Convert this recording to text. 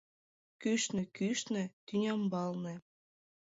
Кӱшнӧ-кӱшнӧ, тӱнямбалне